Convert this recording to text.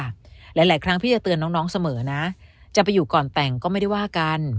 หลายครั้งพี่จะเตือนน้องเสมอนะจะไปอยู่ก่อนแต่งก็ไม่ได้ว่ากัน